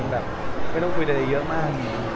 ไม่ต้องคุยเต็มเยอะมาก